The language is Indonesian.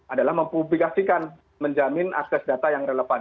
adalah mempublikasikan menjamin akses data yang relevan